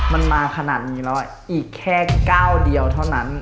มันมาขนาดนี้แล้วอีกแค่ก้าวเดียวเท่านั้น